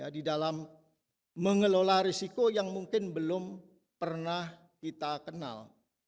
di dalam mengelola risiko yang mungkin belum pernah kita kenal